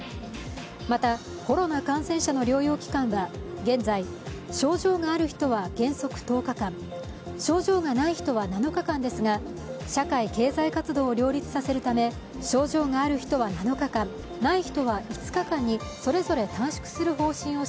また、コロナ感染者の療養期間は現在、症状がある人は原則１０日間、症状がない人は７日間ですが社会・経済活動を両立させるため症状がある人は７日間、ない人は５日間にそれぞれ短縮する方針を